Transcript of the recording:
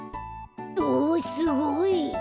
おすごい！